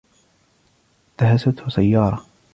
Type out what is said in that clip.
دهسته سيارة.